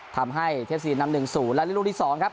ทำให้เทพสิรินนำหนึ่งศูนย์และเรียนรุ่นที่สองครับ